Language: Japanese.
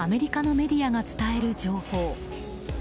アメリカのメディアが伝える情報。